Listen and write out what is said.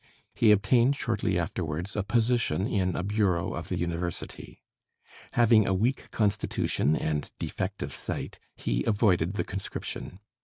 He obtained shortly afterwards a position in a bureau of the University. Having a weak constitution and defective sight, he avoided the conscription.